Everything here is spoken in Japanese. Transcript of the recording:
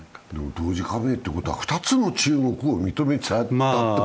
同時加盟ということは２つの中国を認めちゃう。